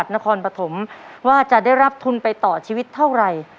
นครปฐมว่าจะได้รับทุนไปต่อชีวิตเท่าไหร่